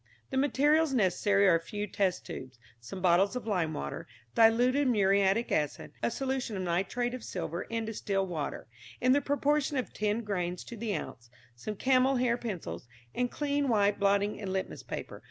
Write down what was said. The materials necessary are a few test tubes, some bottles of lime water, diluted muriatic acid, a solution of nitrate of silver in distilled water, in the proportion of ten grains to the ounce, some camel hair pencils, and clean white blotting and litmus paper.